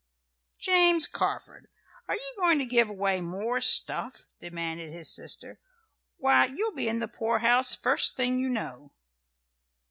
"James Carford, are you going to give away more stuff?" demanded his sister. "Why, you'll be in the poorhouse first thing you know."